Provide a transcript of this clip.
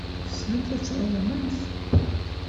Tessnemt ad tɛummemt?